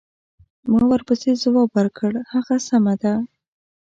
ما ورپسې ځواب ورکړ: هغه سمه ده.